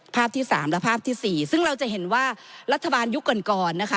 ภาพที่สามและภาพที่๔ซึ่งเราจะเห็นว่ารัฐบาลยุคก่อนก่อนนะคะ